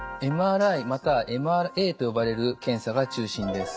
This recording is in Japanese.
ＭＲＩまたはＭＲＡと呼ばれる検査が中心です。